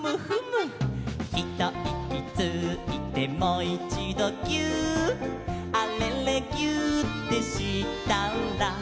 「ひといきついてもいちどぎゅーっ」「あれれぎゅーってしたら」